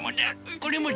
これもだ！